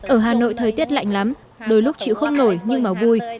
ở hà nội thời tiết lạnh lắm đôi lúc chịu không nổi nhưng mà vui